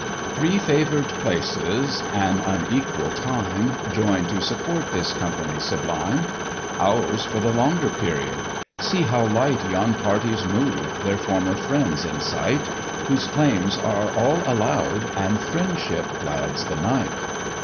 Three favour'd places, an unequal time, Join to support this company sublime: Ours for the longer period see how light Yon parties move, their former friends in sight, Whose claims are all allow'd, and friendship glads the night.